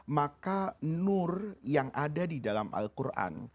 maka nur yang ada di dalam al quran